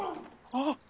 あっ！